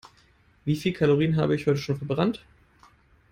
Wie viele Kalorien habe ich heute schon verbrannt?